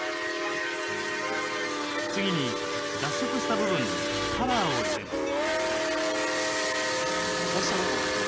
次に脱色した部分にカラーを入れます。